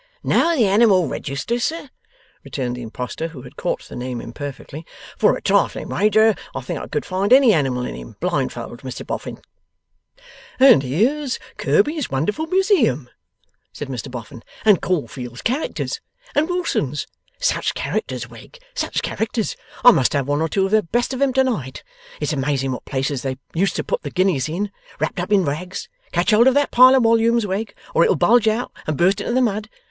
'Know the Animal Register, sir?' returned the Impostor, who had caught the name imperfectly. 'For a trifling wager, I think I could find any Animal in him, blindfold, Mr Boffin.' 'And here's Kirby's Wonderful Museum,' said Mr Boffin, 'and Caulfield's Characters, and Wilson's. Such Characters, Wegg, such Characters! I must have one or two of the best of 'em to night. It's amazing what places they used to put the guineas in, wrapped up in rags. Catch hold of that pile of wollumes, Wegg, or it'll bulge out and burst into the mud.